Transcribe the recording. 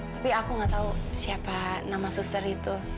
tapi aku gak tau siapa nama suster itu